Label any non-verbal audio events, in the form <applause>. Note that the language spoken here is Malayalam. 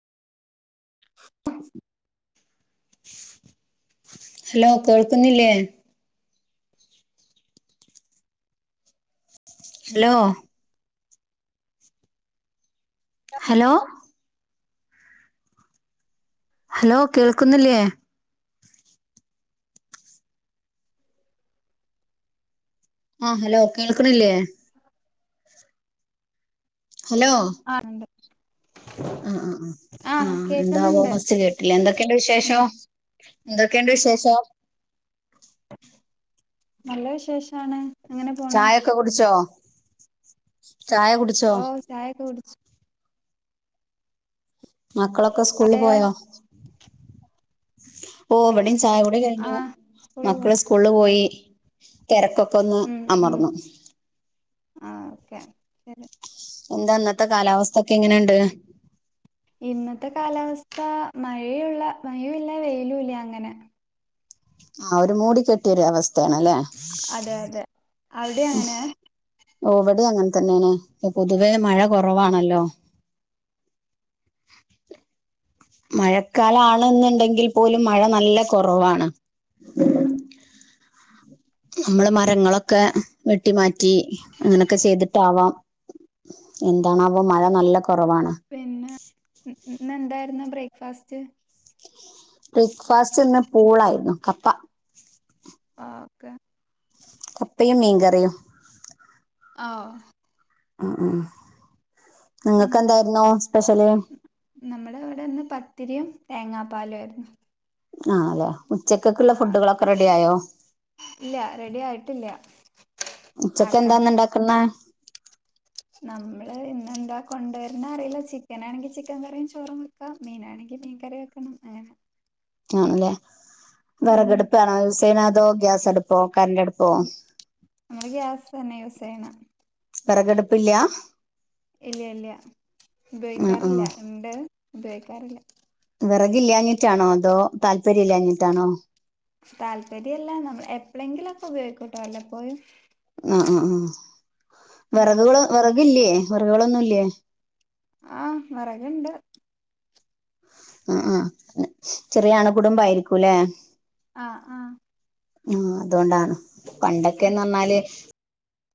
ഹലോ കേൾക്കുന്നില്ലേ? ഹലോ- ഹലോ- ഹലോ കേൾക്കുന്നില്ലേ? ആഹ് ഹലോ കേൾക്കണ്ല്ലേ? ഹലോ ആഹ് ഇണ്ട് ആഹ് ആഹ് ആഹ് ആഹ് എന്താവോ ബസ്റ്റ് കേട്ടിലെ എന്തൊക്കെണ്ട് ഉം വിശേഷം? എന്തൊക്കണ്ടവിശേഷം? നല്ല വിശേഷാണ് എങ്ങനെ പോണു- ക്ക കുടിച്ചോ ചായ കുടി ഓ ചായ കുടിച്ചു. മക്കളൊക്കെ സ്കൂളില് അവിടെയോ പോയോ? ഓഹ് വിടെചായ കൊ കഴിഞ്ഞു ആഹ് സ്കൂളിൽ പോ മക്കള് സ്കൂളിൽ പോയി തിരക്കൊക്കെൊന്ന് ഉം ഉം അമർന്നു. ആഹ് ഒക്കെ. എന്താ ഇന്നത്തെ കാലാവസ്ഥ ഒക്കെ എങ്ങനെണ്ട്? ഇന്നത്തെ കാലാവസ്ഥ മഴയുള്ള മഴല്ല വെയിലുംല്ല അങ്ങനെ- ആഹ് ഒരു മൂടി കെട്ടിയൊ ഒരു അവസ്ഥണ് അല്ലേ- അതെ അതെ അവിടെ അങ്ങനെ- ഓഹ് വിടെ അങ്ങനെ തന്നെണ് പൊതുവെ മഴ കൊറവാണല്ലോ- മഴക്കാല ആണെന്ന്ണ്ടങ്കിൽ പോലും മഴ നല്ല കൊറവാണ്- <unintelligible> നമള് മരങ്ങളൊക്കെ വെട്ടിമാറ്റി അങ്ങനക്കെ ചെയ്തിട്ടാവാം. എന്താണാവോ മഴനല്ല കൊറവാണ്- പിന്നെ ഇന്ന് എന്തായിരുന്ന ബ്രേക്ക്ഫാസ്റ്റ് ബ്രേക്ക്ഫാസ്റ്റ് നിന്ന് പൂളായിര്ന്നു കപ്പ ആക്കെ കപ്പയും മീകറിയും ആഹ് അ ആ നിങ്ങൾക്ക് എന്തായിര്ന്നു സ്പെഷ്യല് ന്നമ്മളെ അവിടെ ഇന്ന് പത്തിരിയും തേങ്ങാപ്പാലു ആയിരുന്നു ആ ലെ ഉച്ചക്കെക്കുള്ള ആഹ് ഫുഡുകളൊക്കെ റെഡി ആയോ ഇല്ല റെഡി ആയിട്ടില്ല ഉച്ചക്ക് ആക്കണം എന്താന്ന് ഇണ്ടാക്ക്ന്നെ നമ്മള് ഇന്നെന്താ കൊണ്ടുവരുന്ന അറിയില്ല ചിക്കൻാണെങ്കിൽ ചിക്ക കറിയും ചോറും വെ ക്ക മീനാണെങ്കിമീൻ കറി വെക്കണം എഹേ ആണല്ലേ ഉം വിറകടുപ്പാണോ യൂസ് ചെയ്യണ് അതോ ഗ്യാസ അടുപ്പോ കറണ്ട് അടുപ്പോ നമ്മള് ഗ്യാസ് തന്നെ യൂസ്ചെയ്ണ് വെറക് അടുപ്പില്ല ഇല്ല്യ ഇല്ല്യ ആ ആ ഉപയോഗിക്കാറില്ല ഇണ്ട് ഉപയോഗിക്കാറില്ല വെറകില്ലാഞ്ഞിട്ടാണോ അതോ താല്പര്യം ഇല്ലാഞ്ഞിട്ടാണോ? താല്പര്യല്ല നമ്മ എപ്പളെങ്കിലൊക്കെ ഉപയോഗിക്കുട്ടോ വല്ലപ്പോഴും ആ ആ ആ വെറകുകള് വെറകില്യേ വിറകുകളൊന്നുംല്യേ ആഹ് വെറക്ണ്ട് അ അ ചെറിയ അണുകുടുമ്പായിരിക്കൂലെ ആഹ് ആഹ് ഉം അതോണ്ടാണ് ഉം പണ്ടൊക്കെന്ന് അർഞ്ഞാല്